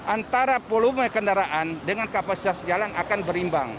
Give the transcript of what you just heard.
antara volume kendaraan dengan kapasitas jalan akan berimbang